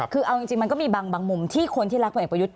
คือเอาจริงมันก็มีบางมุมที่คนที่รักผลเอกประยุทธ์